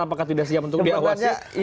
apakah tidak siap untuk diawasi